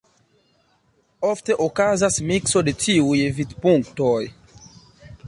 Ofte okazas mikso de tiuj vidpunktoj.